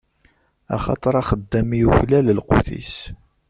Axaṭer axeddam yuklal lqut-is.